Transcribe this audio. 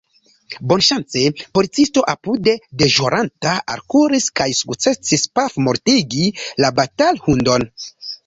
Bonŝance policisto apude deĵoranta alkuris kaj sukcesis pafmortigi la batalhundon.